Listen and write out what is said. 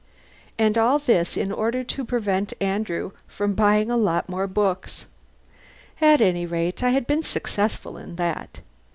And all this in order to prevent Andrew from buying a lot more books! At any rate, I had been successful in that.